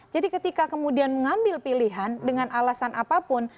jadi ketika kemudian mengambil pilihan dengan alasan apapun